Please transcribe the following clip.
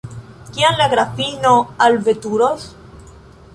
Kiam la grafino alveturos?